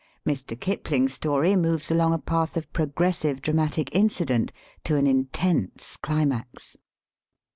Mr. Kipling's story moves along a path of progressive dramatic incident to an intense climax.